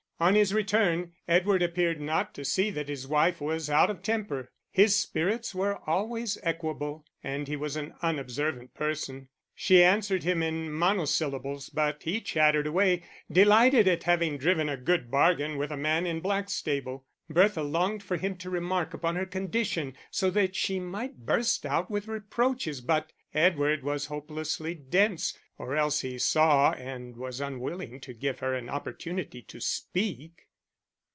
On his return Edward appeared not to see that his wife was out of temper. His spirits were always equable, and he was an unobservant person. She answered him in mono syllables, but he chattered away, delighted at having driven a good bargain with a man in Blackstable. Bertha longed for him to remark upon her condition so that she might burst out with reproaches, but Edward was hopelessly dense or else he saw and was unwilling to give her an opportunity to speak.